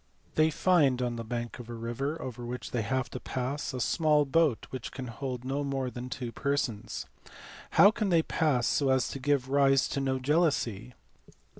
They find on the bank of a river, over which they have to pass, a small boat which can hold no more than two persons. How can they pass so as to give rise to no jealousy?"